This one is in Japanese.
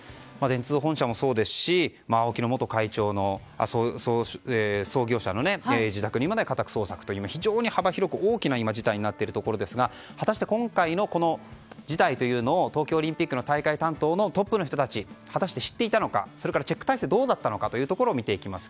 電通本社もそうですしＡＯＫＩの元会長の創業者の自宅にまで家宅捜索という非常に幅広く大きい事態になっているところですが果たして今回のこの事態というのを東京オリンピックの大会担当のトップの人たちは果たして知っていたのかそれからチェック体制はどうだったのかを見ていきます。